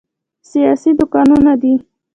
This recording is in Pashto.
سیاسي دوکانونه دي.